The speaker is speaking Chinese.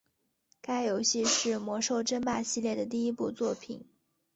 该游戏是魔兽争霸系列的第一部作品。